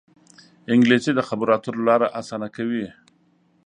انګلیسي د خبرو اترو لاره اسانه کوي